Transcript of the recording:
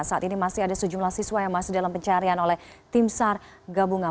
saat ini masih ada sejumlah siswa yang masih dalam pencarian oleh tim sar gabungan